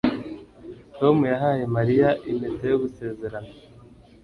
Tom yahaye Mariya impeta yo gusezerana